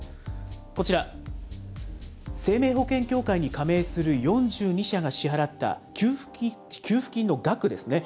こちら、生命保険協会に加盟する４２社が支払った給付金の額ですね。